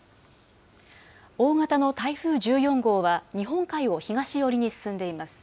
大型の台風１４号は日本海を東寄りに進んでいます。